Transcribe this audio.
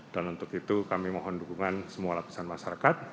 dan untuk itu kami mohon dukungan semua lapisan masyarakat